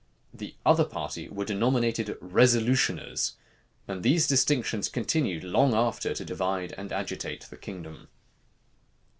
The other party were denominated resolutioners; and these distinctions continued long after to divide and agitate the kingdom.